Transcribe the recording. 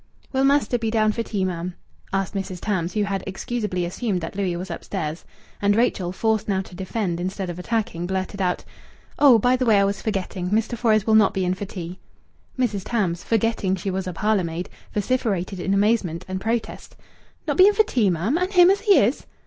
"Will mester be down for tea, ma'am?" asked Mrs. Tams, who had excusably assumed that Louis was upstairs. And Rachel, forced now to defend, instead of attacking, blurted out "Oh! By the way, I was forgetting; Mr. Fores will not be in for tea." Mrs. Tams, forgetting she was a parlour maid, vociferated in amazement and protest "Not be in for tea, ma'am? And him as he is!"